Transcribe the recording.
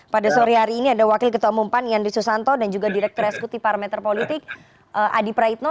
pada sore hari ini ada wakil ketua umum pan yandri susanto dan juga direktur esekuti parameter politik adi praitno